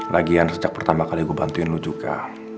lagian sejak pertama kali gue bantuin lu juga